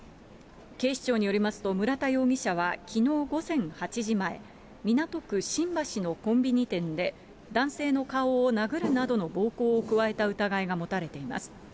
警視庁によりますと、村田容疑者はきのう午前８時前、港区新橋のコンビニ店で、男性の顔を殴るなどの暴行を加えた疑いが持たれています。